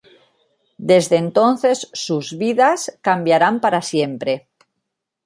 Desde entonces sus vidas cambiarán para siempre.